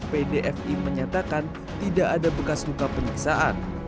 pdfi menyatakan tidak ada bekas luka penyiksaan